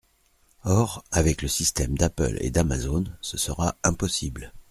Or, avec le système d’Apple et d’Amazon, ce sera impossible.